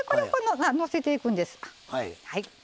のせていくんです。